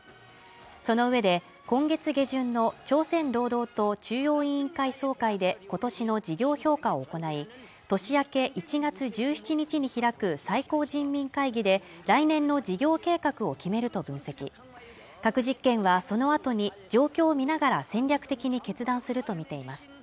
そのうえで今月下旬の朝鮮労働党中央委員会総会で今年の事業評価を行い年明け１月１７日に開く最高人民会議で来年の事業計画を決めると分析核実験はそのあとに状況を見ながら戦略的に決断するとみています